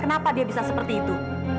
kenapa dia bisa seperti itu